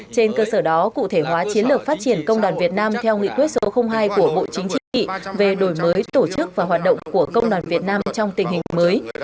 trên cơ sở đó cụ thể hóa chiến lược phát triển công đoàn việt nam theo nghị quyết số hai của bộ chính trị về đổi mới tổ chức và hoạt động của công đoàn việt nam trong tình hình mới